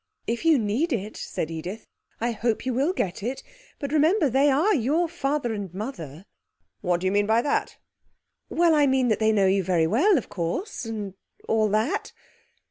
'If you need it,' said Edith, 'I hope you will get it. But remember they are your father and mother.' 'What do you mean by that?' 'Well, I mean they know you very well, of course ... and all that.'